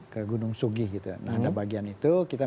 ke gunung sugih gitu ya nah ada bagian itu kita empat puluh km